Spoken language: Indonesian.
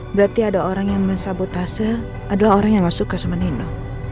berarti ada orang yang men sabotase adalah orang yang nggak suka sama nino